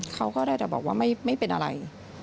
เขาก็ได้แต่บอกว่าไม่เป็นอะไร